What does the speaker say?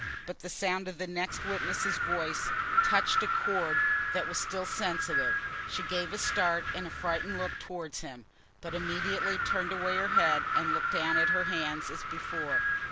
But the sound of the next witness's voice touched a chord that was still sensitive, she gave a start and a frightened look towards him, but immediately turned away her head and looked down at her hands as before.